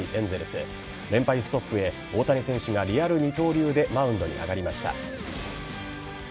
ストップへ大谷選手がリアル二刀流でマウンドに上がりました。